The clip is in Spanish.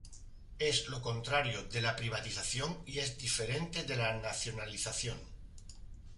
Es lo contrario de la privatización y es diferente de la nacionalización.